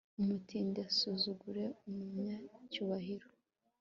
umutindi asuzugure umunyacyubahiro